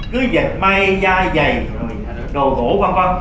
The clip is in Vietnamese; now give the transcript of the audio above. cứ dệt may da dày rồi đồ gỗ văn văn